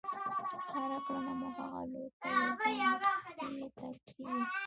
هره کړنه مو هغه لور ته يو ګام مخکې تګ کېږي.